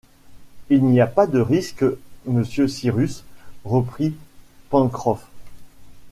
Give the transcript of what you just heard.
Il n’y a pas de risque, monsieur Cyrus, reprit Pencroff.